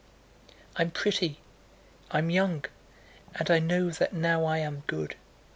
I'm pretty, I'm young, and I know that now I am good.